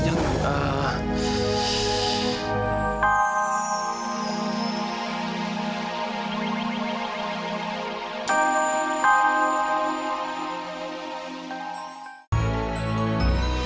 nanti aku nunggu